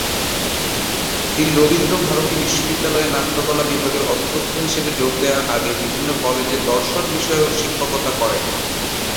তিনি রবীন্দ্রভারতী বিশ্ববিদ্যালয়ে নাট্যকলা বিভাগের অধ্যক্ষ হিসেবে যোগ দেওয়ার আগে বিভিন্ন কলেজে দর্শন বিষয়েও শিক্ষকতা করেন।